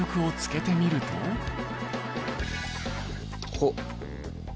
ほっ。